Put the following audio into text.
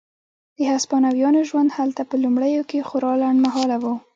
د هسپانویانو ژوند هلته په لومړیو کې خورا لنډ مهاله و.